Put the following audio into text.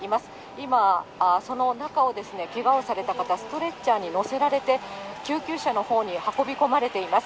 今、その中をけがをされた方、ストレッチャーに乗せられて、救急車のほうに運び込まれています。